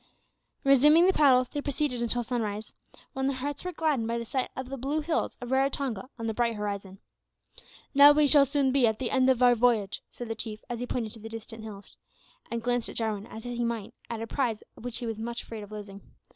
Resuming the paddles, they proceeded until sunrise, when their hearts were gladdened by the sight of the blue hills of Raratonga on the bright horizon. "Now we shall soon be at the end of our voyage," said the Chief, as he pointed to the distant hills, and glanced at Jarwin as he might at a prize which he was much afraid of losing.